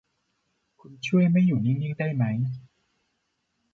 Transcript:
คุณช่วยไม่อยู่นิ่ง ๆ ได้มั้ย